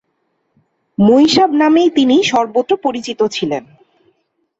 মঈন সাব নামেই তিনি সর্বত্র পরিচিত ছিলেন।